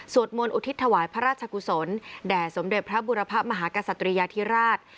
มนต์อุทิศถวายพระราชกุศลแด่สมเด็จพระบุรพะมหากษัตริยาธิราช